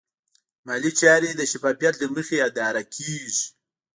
مالي چارې د شفافیت له مخې اداره کېږي.